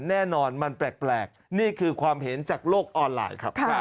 แน่นอนมันแปลกนี่คือความเห็นจากโลกออนไลน์ครับ